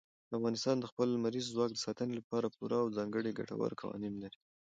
افغانستان د خپل لمریز ځواک د ساتنې لپاره پوره او ځانګړي ګټور قوانین لري.